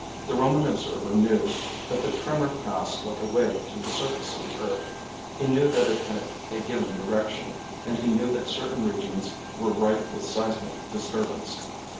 The Roman observer knew that the tremor passed like a wave through the surface of the earth; he knew that it had a given direction, and he knew that certain regions were rife with seismic disturbance.